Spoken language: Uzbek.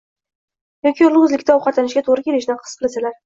yoki yolg‘izlikda ovqatlanishga to‘g‘ri kelishini his qilsalar